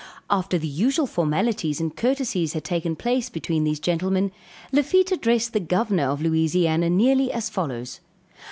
After the usual formalities and courtesies had taken place between these gentlemen, Lafitte addressed the Governor of Louisiana nearly as follows.